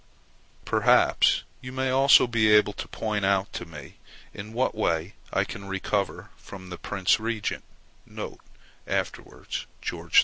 Perhaps you may also be able to point out to me in what way I can recover from the Prince Regent [afterwards George IV.